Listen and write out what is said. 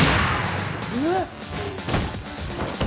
えっ！？